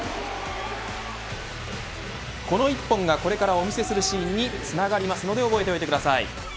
この１本がこれからお見せするシーンにつながりますので覚えておいてください。